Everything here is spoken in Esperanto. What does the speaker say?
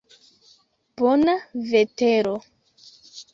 Bona vetero.